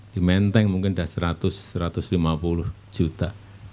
di menteng mungkin sudah seratus satu ratus lima puluh juta